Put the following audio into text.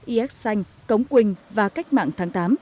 yx xanh cống quỳnh và cách mạng tháng tám